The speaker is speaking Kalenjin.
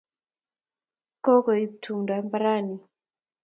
Kokoip tumdo mbaranni